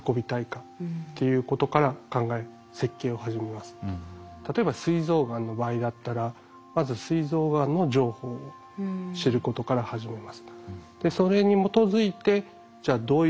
まず我々は例えばすい臓がんの場合だったらまずすい臓がんの情報を知ることから始めます。